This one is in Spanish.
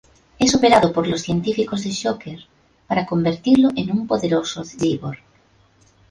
Es operado por los científicos de Shocker, para convertirlo en un poderoso cyborg.